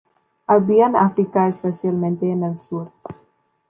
Habita en África, especialmente en el sur.